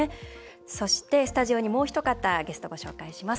そして、スタジオにもうひと方ゲスト、ご紹介します。